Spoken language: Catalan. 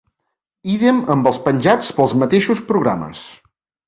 Ídem amb els penjats pels mateixos programes.